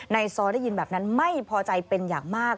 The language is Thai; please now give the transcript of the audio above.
ซอได้ยินแบบนั้นไม่พอใจเป็นอย่างมาก